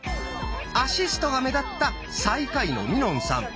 アシストが目立った最下位のみのんさん。